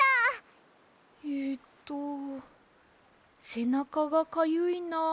えっとせなかがかゆいなですか？